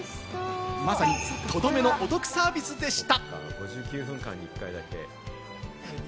まさにとどめのお得サービスでした。